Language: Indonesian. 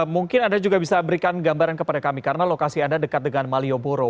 mungkin anda juga bisa berikan gambaran kepada kami karena lokasi anda dekat dengan malioboro